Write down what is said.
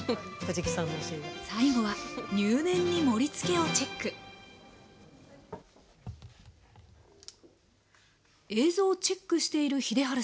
最後は入念に盛りつけをチェック映像をチェックしている秀治さん。